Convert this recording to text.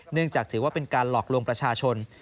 เนื่องจากถือว่าเป็นการหลอกลวงประชาชน